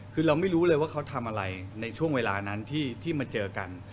คือเราไม่รู้เลยว่าเขาทำอะไรในช่วงเวลานั้นที่มาเจอกัน